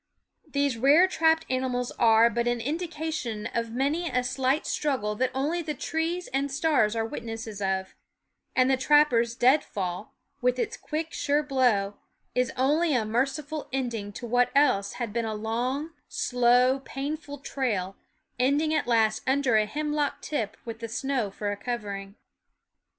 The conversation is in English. These rare trapped animals are but an indica tion of many a silent struggle that only the trees and stars are witnesses of; and the trapper's deadfall, with its quick, sure blow, is only a merciful ending to what else had been a long, slow, painful trail, ending at last under a hemlock tip with the snow for a covering.